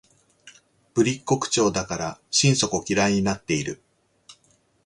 ぶりっ子口調だから心底嫌になっている